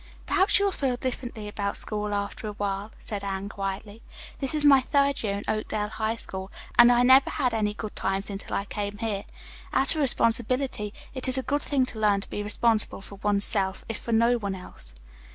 "Perhaps you will feel differently about school after a while," said Anne quietly. "This is my third year in Oakdale High School, and I never had any good times until I came here. As for responsibility, it is a good thing to learn to be responsible for one's self, if for no one else."